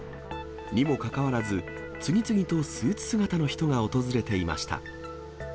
にもかかわらず、次々とスーツ姿の人が訪れていました。